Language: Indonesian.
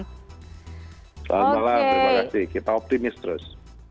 selamat malam terima kasih kita optimis terus